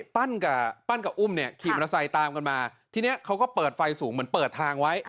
ปั้นกับปั้นกับอุ้มเนี่ยขี่มอเตอร์ไซค์ตามกันมาทีนี้เขาก็เปิดไฟสูงเหมือนเปิดทางไว้